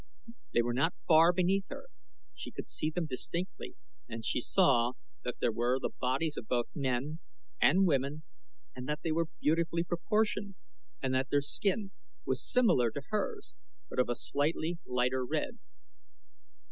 They were not far beneath her she could see them distinctly and she saw that there were the bodies of both men and women, and that they were beautifully proportioned, and that their skin was similar to hers, but of a slightly lighter red.